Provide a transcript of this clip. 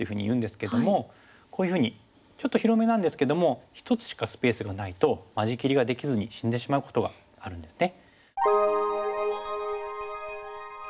こういうふうにちょっと広めなんですけども１つしかスペースがないと間仕切りができずに死んでしまうことがあるんですね。